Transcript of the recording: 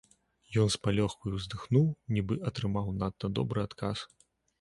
Ён з палёгкаю ўздыхнуў, нібы атрымаў надта добры адказ.